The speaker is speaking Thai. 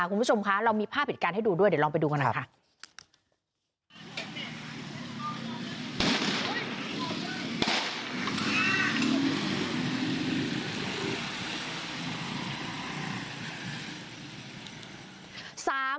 คุณผู้ชมคะเรามีภาพเหตุการณ์ให้ดูด้วยเดี๋ยวลองไปดูกันหน่อยค่ะ